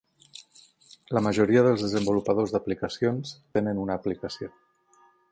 La majoria dels desenvolupadors d'aplicacions tenen una aplicació.